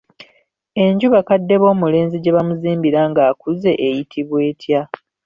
Enju bakadde b'omulenzi gye bamuzimbira ng'akuze eyitibwa etya?